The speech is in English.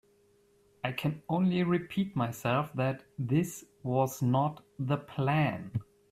I can only repeat myself that this was not the plan.